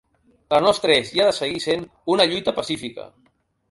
La nostra és i ha de seguir sent una lluita pacífica.